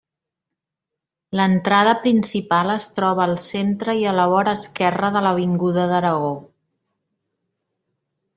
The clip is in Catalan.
L'entrada principal es troba al centre i a la vora esquerra de l'avinguda d'Aragó.